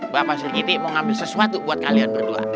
bapak siti mau ngambil sesuatu buat kalian berdua